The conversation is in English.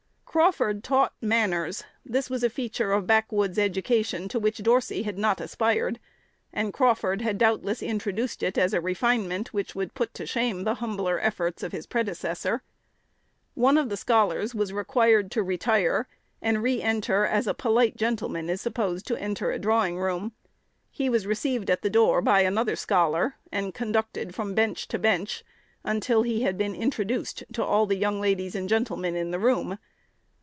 Crawford taught "manners." This was a feature of backwoods education to which Dorsey had not aspired, and Crawford had doubtless introduced it as a refinement which would put to shame the humbler efforts of his predecessor. One of the scholars was required to retire, and re enter as a polite gentleman is supposed to enter a drawing room. He was received at the door by another scholar, and conducted from bench to bench, until he had been introduced to all the "young ladies and gentlemen" in the room.